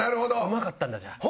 うまかったんだじゃあ。